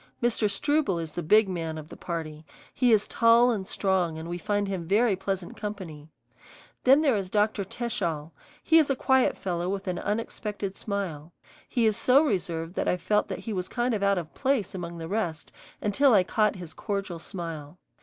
Mr. Struble is the big man of the party; he is tall and strong and we find him very pleasant company. Then there is Dr. Teschall; he is a quiet fellow with an unexpected smile. He is so reserved that I felt that he was kind of out of place among the rest until I caught his cordial smile.